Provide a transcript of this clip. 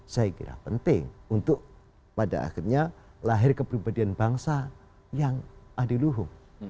saya kira penting untuk pada akhirnya lahir kepribadian bangsa yang adiluhu